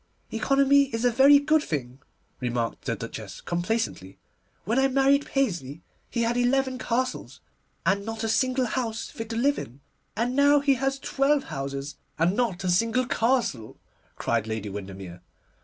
'Economy is a very good thing,' remarked the Duchess complacently; 'when I married Paisley he had eleven castles, and not a single house fit to live in.' 'And now he has twelve houses, and not a single castle,' cried Lady Windermere.